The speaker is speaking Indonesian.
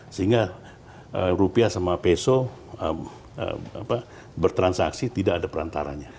sehingga rupiah sama peso bertransaksi tidak ada perantaranya